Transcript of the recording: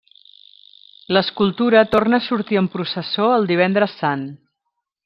L'escultura torna a sortir en processó el Divendres Sant.